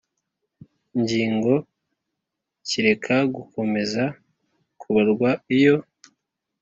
ngingo kireka gukomeza kubarwa iyo